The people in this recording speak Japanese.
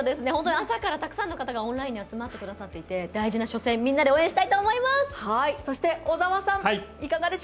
朝からたくさんの方がオンラインに集まってくださっていて大事な初戦みんなで応援したいと思います。